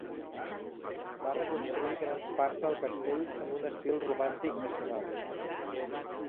Va reconstruir grans parts del castell en un estil romàntic nacional.